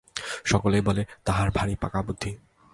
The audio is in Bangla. সকলেই বলে তাহার ভারি পাকা বুদ্ধি।